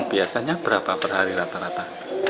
biasanya berapa per hari rata rata